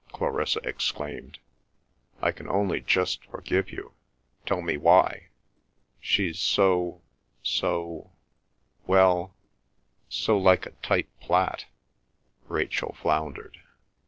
Clarissa exclaimed. "I can only just forgive you. Tell me why?" "She's so—so—well, so like a tight plait," Rachel floundered.